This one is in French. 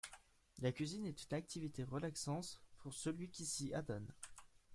La cuisine est une activité relaxante pour celui qui s’y adonne.